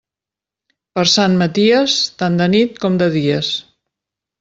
Per Sant Maties, tant de nit com de dies.